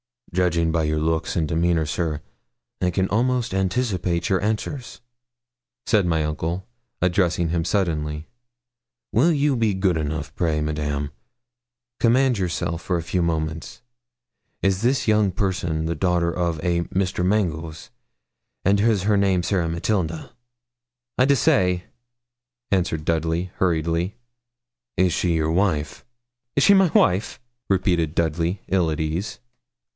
'Judging by your looks and demeanour, sir, I can almost anticipate your answers,' said my uncle, addressing him suddenly. 'Will you be good enough pray, madame (parenthetically to our visitor), command yourself for a few moments. Is this young person the daughter of a Mr. Mangles, and is her name Sarah Matilda?' 'I dessay,' answered Dudley, hurriedly. 'Is she your wife?' 'Is she my wife?' repeated Dudley, ill at ease.